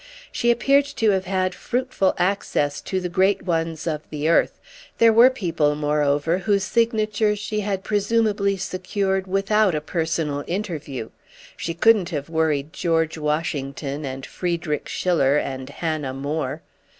She appeared to have had fruitful access to the great ones of the earth; there were people moreover whose signatures she had presumably secured without a personal interview. She couldn't have worried George Washington and Friedrich Schiller and Hannah More.